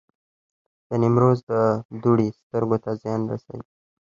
د نیمروز دوړې سترګو ته زیان رسوي؟